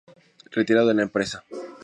Retirado de la empresa.